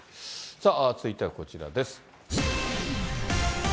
続いてはこちらです。